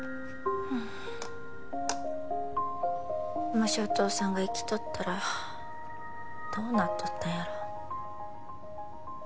もしお父さんが生きとったらどうなっとったんやろ？